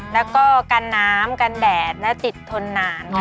แล้วก็กันน้ำกันแดดและติดทนนานค่ะ